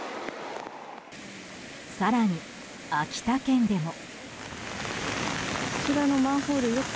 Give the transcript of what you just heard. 更に、秋田県でも。